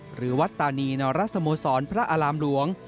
หรือวัดตานีนรสโมสรพระอารามหลวง